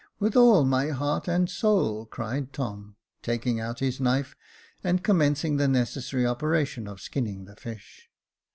"With all my heart and soul," cried Tom, taking out his knife, and commencing the necessary operation of skinning the fish.